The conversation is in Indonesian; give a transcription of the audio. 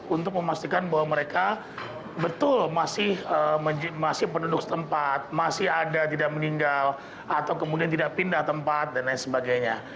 untuk memastikan bahwa mereka betul masih penduduk setempat masih ada tidak meninggal atau kemudian tidak pindah tempat dan lain sebagainya